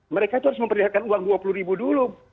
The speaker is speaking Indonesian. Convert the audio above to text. mereka itu harus memperlihatkan uang dua puluh ribu dulu